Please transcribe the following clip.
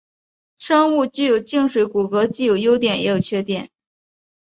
生物具有静水骨骼既有优点也有缺点。